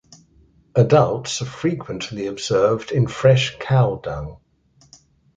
Adults are frequently observed in fresh cow dung.